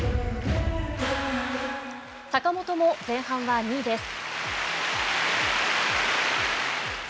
坂本も前半は２位です。